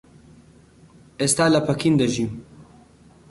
ئێستا لە پەکین دەژیم.